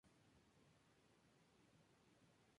Desde allí desarrolló varios programas sanitarios.